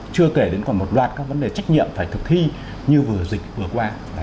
chưa kể đến còn một loạt các vấn đề trách nhiệm phải thực thi như vừa dịch vừa qua